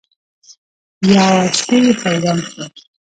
یوه شي حیران کړم.